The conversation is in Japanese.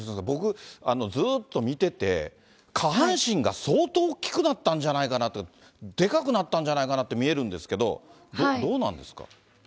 僕、ずっと見てて、下半身が相当大きくなったんじゃないかなと、でかくなったんじゃないかなって見えるんですけど、どうなんですか。